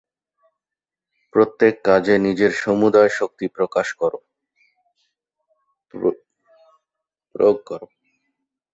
প্রত্যেক কাজে নিজের সমুদয় শক্তি প্রয়োগ কর।